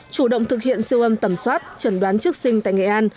chủ động thực hiện siêu âm tẩm soát chẩn đoán trước sinh tại nghệ an